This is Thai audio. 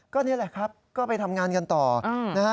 ก็นี่แหละครับก็ไปทำงานกันต่อนะฮะ